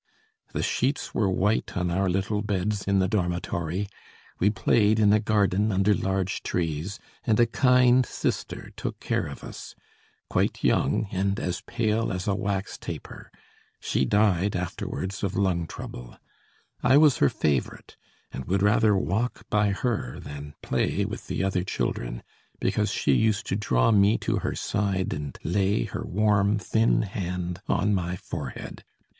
The sheets were white on our little beds in the dormitory; we played in a garden under large trees, and a kind Sister took care of us, quite young and as pale as a wax taper she died afterwards of lung trouble I was her favorite, and would rather walk by her than play with the other children, because she used to draw me to her side and lay her warm thin hand on my forehead.